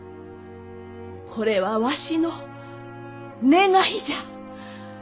これはわしの願いじゃ！